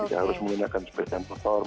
tidak harus menggunakan speed and perform